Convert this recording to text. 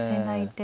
はい。